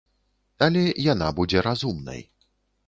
Але яна будзе разумнай.